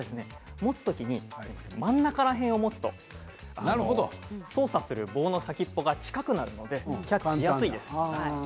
持つ時に真ん中ら辺を持つと操作する棒の先っぽが近くなるのでキャッチしやすいです。